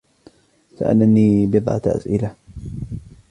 سألني بضعة أسئلة.